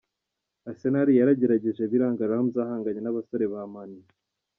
Arsenal yaragerageje biranga Ramsy ahaganye na basore Man u